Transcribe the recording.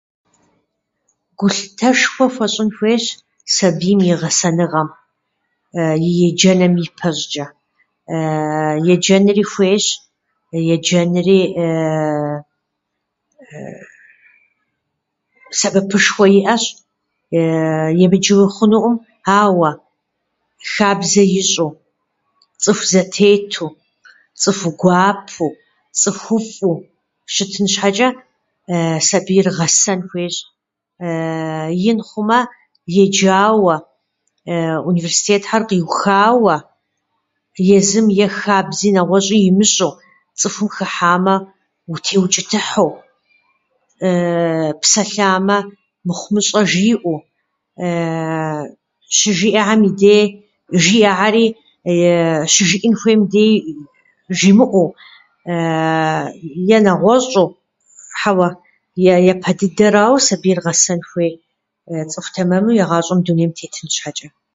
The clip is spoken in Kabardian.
Гулъытэшхуэ хуэщӏын хуейщ сабийм и гъэсэныгъэм и еджэным ипэ щӏычӏэ. Еджэнри хуейщ, еджэнри сэбэпышхуэ иӏэщ, емыджэуи хъунуӏым, ауэ хабзэ ищӏэу, цӏыху зэтету, цӏыху гуапэу, цӏыхуфӏу щытын щхьэчӏэ сабийр гъэсэн хуейщ. Ин хъумэ, еджауэ, университетхьэр къиухауэ, езым е хабзи нэгъуэщӏи имыщӏэу, цӏыхум хыхьамэ, утеучӏытыхьу, псэлъамэ, мыхъумыщӏэ жиӏэу, щыжиӏэхьэм и де жиӏэхьэри щыжиӏэн хуейм дей жимыӏэу е нэгъуэщӏу. Хьэуэ, е- япэ дыдэрауэ сабийр гъэсэн хуей, цӏыху тэмэму игъащӏэм дунейм тетын щхьэчӏэ.